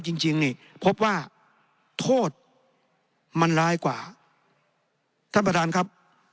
จริงจริงนี่พบว่าโทษมันร้ายกว่าท่านประธานครับ